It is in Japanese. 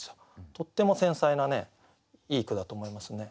とっても繊細なねいい句だと思いますね。